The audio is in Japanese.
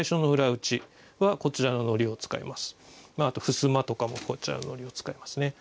あとふすまとかもこちらの糊を使いますね。